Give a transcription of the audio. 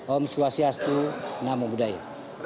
om swastiastu nama budaya